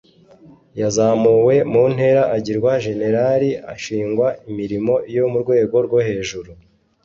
yazamuwe mu ntera agirwa jenerali ashingwa imirimo yo mu rwego rwo hejuru